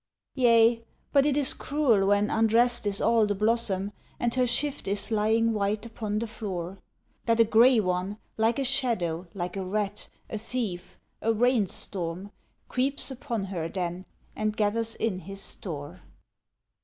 Yea, but it is cruel when undressed is all the blossom, And her shift is lying white upon the floor, That a grey one, like a shadow, like a rat, a thief, a rain storm, Creeps upon her then and gathers in his store.